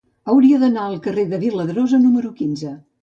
Hauria d'anar al carrer de Viladrosa número quinze.